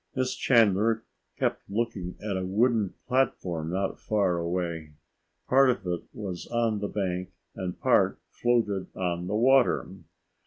Miss Chandler kept looking at a wooden platform not far away. Part of it was on the bank and part floated on the water.